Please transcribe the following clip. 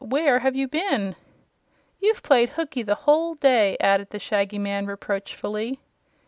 Where have you been?" "You've played hookey the whole day," added the Shaggy Man, reproachfully.